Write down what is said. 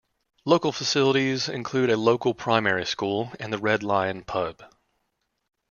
Local facilities include a local primary school and The Red Lion pub.